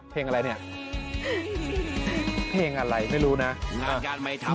เพลงอะไรเนี่ยเพลงอะไรไม่รู้นะงานการไมค์